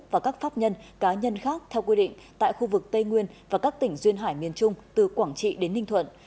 và các pháp nhân cá nhân khác theo quy định tại khu vực tây nguyên và các tỉnh duyên hải miền trung từ quảng trị đến ninh thuận